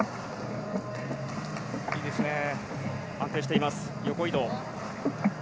いいですね、安定しています横移動。